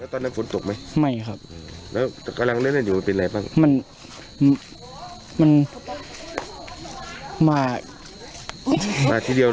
แล้วตอนนั้นฝนจบไหมไม่ครับแล้วกำลังเล่นเล่นอยู่เป็นไหนบ้างมันมันมามาทีเดียวเลย